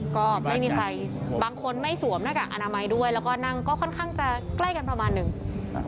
ก็ไม่มีใครบางคนไม่สวมหน้ากากอนามัยด้วยแล้วก็นั่งก็ค่อนข้างจะใกล้กันประมาณหนึ่ง